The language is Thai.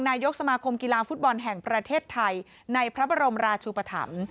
นายกสมาคมกีฬาฟุตบอลแห่งประเทศไทยในพระบรมราชุปธรรม